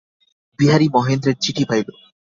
বিহারী মহেন্দ্রের চিঠি পাইল।